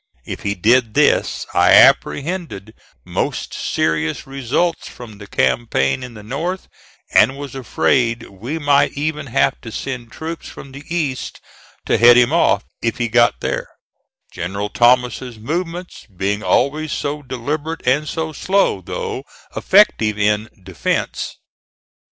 If he did this, I apprehended most serious results from the campaign in the North, and was afraid we might even have to send troops from the East to head him off if he got there, General Thomas's movements being always so deliberate and so slow, though effective in defence.